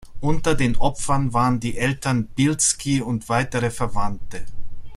Unter den Opfern waren die Eltern Bielski und weitere Verwandte.